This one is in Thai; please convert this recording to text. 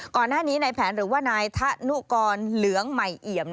ก่อนหน้านี้ในแผนหรือว่านายธะนุกรเหลืองใหม่เอี่ยม